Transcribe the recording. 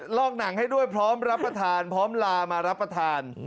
ลอกหนังให้ด้วยพร้อมรับประทานพร้อมลามารับประทาน